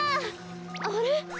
あれ？